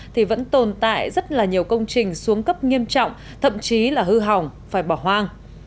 thì vẫn tồn tại rất là nhiều công trình xuống cấp nghiêm trọng thậm chí là hư hỏng phải bỏ hoang